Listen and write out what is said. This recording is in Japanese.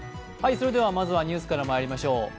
まずはニュースからまいりましょう。